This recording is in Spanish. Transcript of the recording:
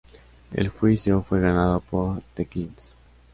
El juicio fue ganado por The Kinks.